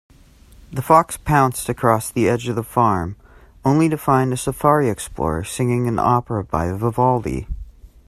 The fox pounced across the edge of the farm, only to find a safari explorer singing an opera by Vivaldi.